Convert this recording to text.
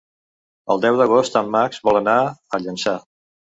El deu d'agost en Max vol anar a Llançà.